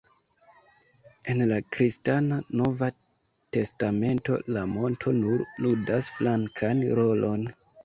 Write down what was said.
En la kristana Nova Testamento la monto nur ludas flankan rolon.